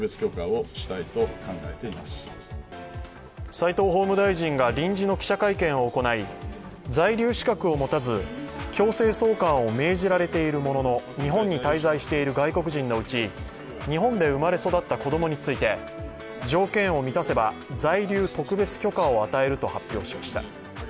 齋藤法務大臣が臨時の記者会見を行い在留資格を持たず強制送還を命じられているものの日本に滞在している外国人のうち、日本で生まれ育った子供について条件を満たせば在留特別許可を与えると発表しました。